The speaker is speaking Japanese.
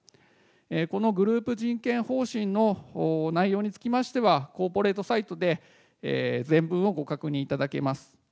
このグループ人権方針の内容につきましては、コーポレートサイトで全文をご確認いただけます。